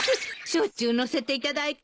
しょっちゅう乗せていただいて。